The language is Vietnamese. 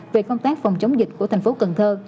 về công tác phòng chống dịch của thành phố cần thơ